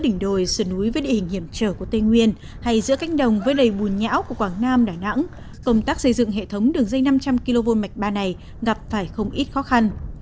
đỉnh đồi sườn núi với địa hình hiểm trở của tây nguyên hay giữa cánh đồng với đầy bùn nhão của quảng nam đà nẵng công tác xây dựng hệ thống đường dây năm trăm linh kv mạch ba này gặp phải không ít khó khăn